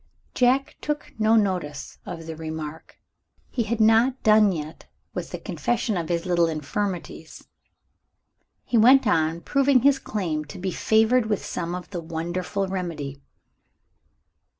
Jack took no notice of the remark; he had not done yet with the confession of his little infirmities. He went on proving his claim to be favored with some of the wonderful remedy.